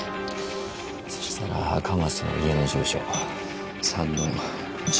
そしたら赤松の家の住所３ー１１ー５。